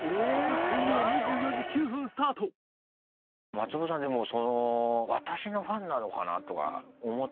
真飛さんでも私のファンなのかな？とか思ってたら。